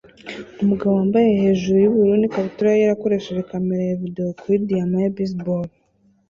Umugabo wambaye hejuru yubururu n'ikabutura yera akoresha kamera ya videwo kuri diyama ya baseball